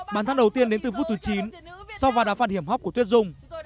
bán thắt đầu tiên đến từ phút từ chín sau và đã phát hiểm hóc của tuyết dung